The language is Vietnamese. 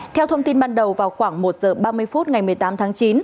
theo thông tin ban đầu vào khoảng một giờ ba mươi phút ngày một mươi tám tháng chín